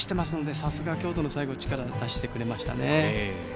さすが、京都は最後力を出してくれましたね。